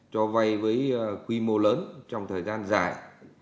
cho vay với quy mô lớn trong thời gian dài